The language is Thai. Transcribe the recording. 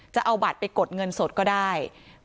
จะเอาบัตรไปกดเงินสดก็ได้